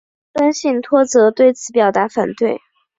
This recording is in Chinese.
森信托则对此表达反对。